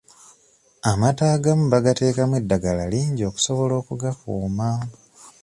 Amata agamu bagateekamu eddagala lingi okusobola okugakuuma.